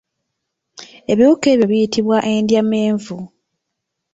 Ebiwuka ebyo biyitibwa endyamenvu.